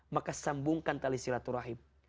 maka sambungkan tali silaturahim